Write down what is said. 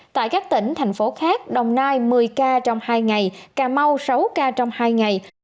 tại các tỉnh thành phố khác đồng nai một mươi ca trong hai ngày cà mau sáu ca trong hai ngày